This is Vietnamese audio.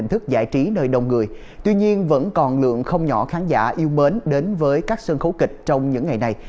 nhưng vẫn còn lượng không nhỏ khán giả yêu mến đến với các sân khấu kịch trong những ngày này